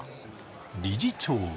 理事長は